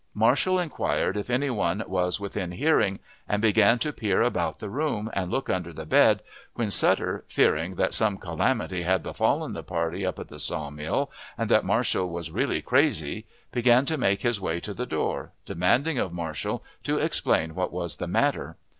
Marshall inquired if any one was within hearing, and began to peer about the room, and look under the bed, when Sutter, fearing that some calamity had befallen the party up at the saw mill, and that Marshall was really crazy, began to make his way to the door, demanding of Marshall to explain what was the matter.